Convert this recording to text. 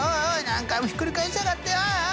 何回もひっくり返しやがってよ！